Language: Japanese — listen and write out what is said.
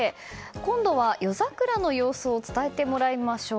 今度は夜桜の様子を伝えてもらいましょう。